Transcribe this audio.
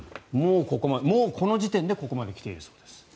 もうこの時点でここまで来ているそうです。